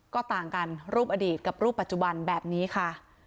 ก็ต่างกันรูปอดีตกับรูปปัจจุบันแบบนี้ค่ะ